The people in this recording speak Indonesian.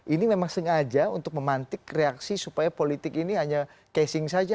ini memang sengaja untuk memantik reaksi supaya politik ini hanya casing saja